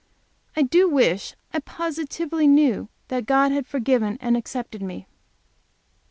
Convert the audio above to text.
I do wish I positively knew that God had forgiven and accepted me.